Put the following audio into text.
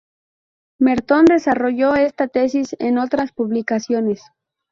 Merton desarrolló esta tesis en otras publicaciones.